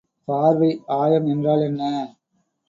பார்வை ஆயம் என்றால் என்ன?